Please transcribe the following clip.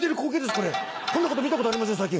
こんなこと見たことありません最近」。